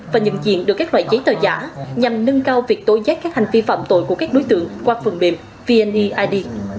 và nhận diện được các loại giấy tờ giả nhằm nâng cao việc tối giác các hành vi phạm tội của các đối tượng qua phần mềm vneid